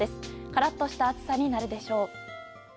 カラッとした暑さになるでしょう。